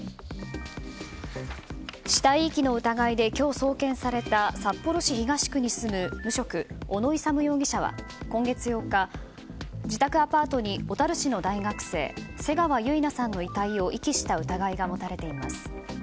死体遺棄の疑いで今日、送検された札幌市東区に住む無職小野勇容疑者は今月８日、自宅アパートに小樽市の大学生瀬川結菜さんの遺体を遺棄した疑いが持たれています。